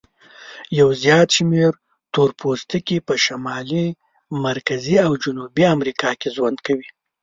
یو زیات شمیر تور پوستکي په شمالي، مرکزي او جنوبي امریکا کې ژوند کوي.